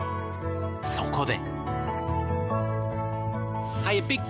そこで。